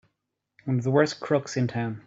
One of the worst crooks in town!